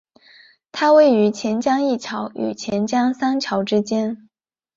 它位于钱江一桥与钱江三桥之间。